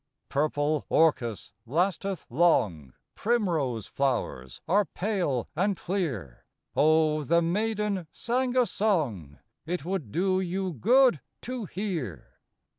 Purple orchis lastetn long, Primrose flowers are pale and clear; O the maiden sang a song It would do you good to hear!